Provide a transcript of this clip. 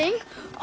あ！